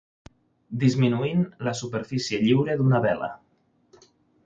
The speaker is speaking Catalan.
Disminuint la superfície lliure d'una vela.